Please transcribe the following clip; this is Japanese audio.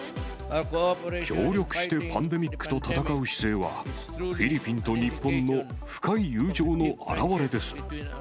協力してパンデミックと闘う姿勢は、フィリピンと日本の深い友情の表れです。